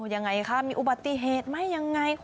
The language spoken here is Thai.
อย่างไรคะมีอุบัติเทศมั้ยอย่างไร